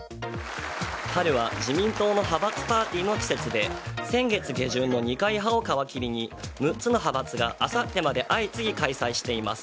春は自民党の派閥パーティーの季節で先月下旬の二階派を皮切りに６つの派閥があさってまで相次ぎ開催しています。